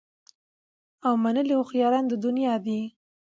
او منلي هوښیارانو د دنیا دي